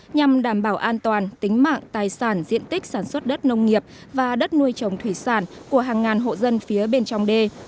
nhằm đảm bảo an toàn tính mạng tài sản diện tích sản xuất đất nông nghiệp và đất nuôi trồng thủy sản của hàng ngàn hộ dân phía bên trong đê